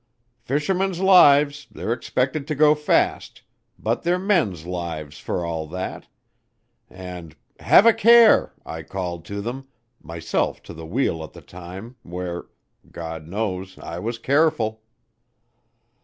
Fishermen's lives, they're expected to go fast, but they're men's lives for all that, and 'Have a care!' I called to them, myself to the wheel at the time, where, God knows, I was careful.